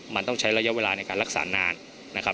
มันต้องใช้ระยะเวลาในการรักษานานนะครับ